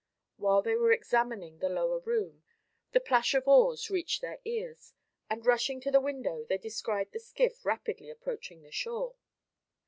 While they were examining the lower room, the plash of oars reached their ears, and rushing to the window, they descried the skiff rapidly approaching the shore.